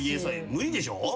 無理でしょ？